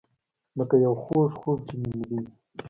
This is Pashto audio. لکه یو خوږ خوب چې مې لیدی.